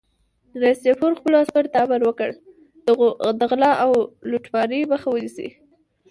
رئیس جمهور خپلو عسکرو ته امر وکړ؛ د غلا او لوټمارۍ مخه ونیسئ!